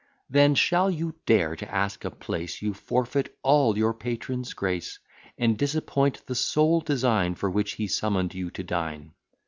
Then, shall you dare to ask a place, You forfeit all your patron's grace, And disappoint the sole design, For which he summon'd you to dine.